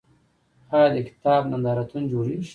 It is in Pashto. آیا د کتاب نندارتونونه جوړیږي؟